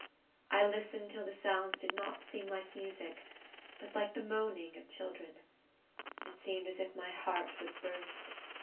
I listened till the sounds did not seem like music, but like the moaning of children. It seemed as if my heart would burst.